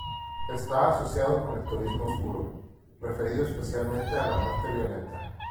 Está asociado con el turismo oscuro, referido especialmente a la muerte violenta.